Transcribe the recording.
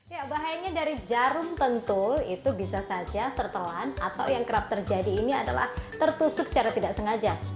ya bahayanya dari jarum pentul itu bisa saja tertelan atau yang kerap terjadi ini adalah tertusuk secara tidak sengaja